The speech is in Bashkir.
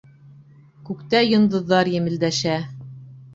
Күктә йондоҙҙар емелдәшә.